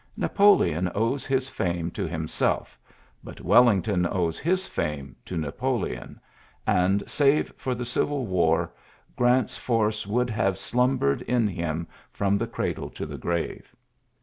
Napoleon owes his fame to himself but Wellington owes his feme to Napoleon ; and, save for the Civil War, Grant's force would have slumbered in bim from the cradle to the grave.